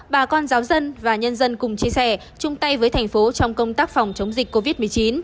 bà con giáo dân và nhân dân cùng chia sẻ chung tay với thành phố trong công tác phòng chống dịch covid một mươi chín